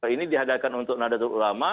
ini diadakan untuk nadatul ulama